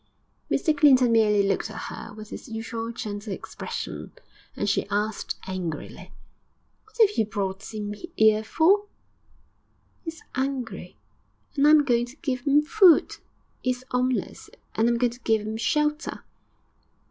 Mr Clinton merely looked at her with his usual gentle expression, and she asked angrily, 'What 'ave you brought 'im 'ere for?' ''E is 'ungry, and I am going to give 'im food; 'e is 'omeless, and I am going to give 'im shelter.'